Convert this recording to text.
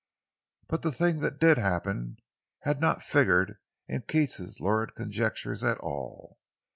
But the thing that did happen had not figured in Keats's lurid conjectures at all.